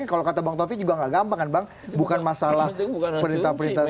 kalau kata bang taufik juga nggak gampang kan bang bukan masalah perintah perintah saja